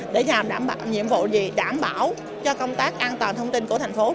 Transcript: để làm nhiệm vụ gì đảm bảo cho công tác an toàn thông tin của thành phố